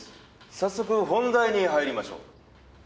早速本題に入りましょう。